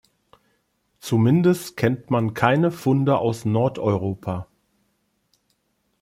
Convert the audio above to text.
Zumindest kennt man keine Funde aus Nordeuropa.